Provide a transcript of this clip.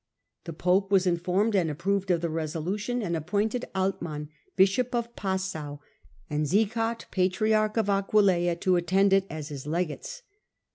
The pope was informed and approved of the resolution, and appointed Altman,' bishop of Passau, and Sieghard, patriarch of Aquileia, to attend it as his legates.